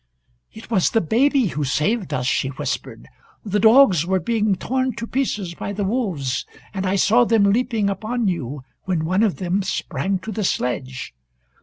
"It was the baby who saved us," she whispered. "The dogs were being torn to pieces by the wolves, and I saw them leaping upon you, when one of them sprang to the sledge.